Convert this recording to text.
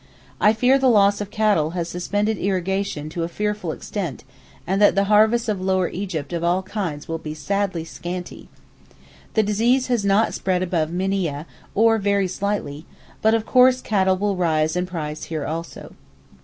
I fear the loss of cattle has suspended irrigation to a fearful extent, and that the harvests of Lower Egypt of all kinds will be sadly scanty. The disease has not spread above Minieh, or very slightly; but, of course, cattle will rise in price here also.